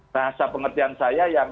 bahasa pengertian saya yang